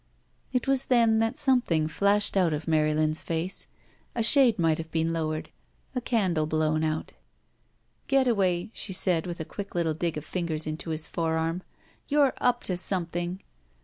It was then that something flashed out of Mary lin's face. A shade might have been lowered; a candle blown out. "Getaway," she said, with a quick little dig of fingers into his forearm, "you're up to something!"